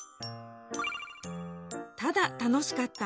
ただ「楽しかった」